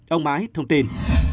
ông mãi thông tin